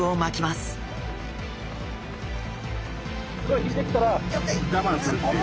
すごい引いてきたら我慢するっていう。